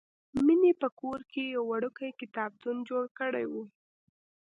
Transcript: مینې په کور کې یو وړوکی کتابتون جوړ کړی و